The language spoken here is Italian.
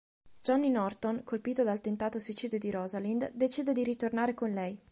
Johnny Norton, colpito dal tentato suicidio di Rosalind, decide di ritornare con lei.